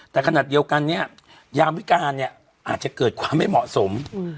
แต่ขนาดเดียวกันเนี่ยยามวิการเนี่ยอาจจะเกิดความไม่เหมาะสม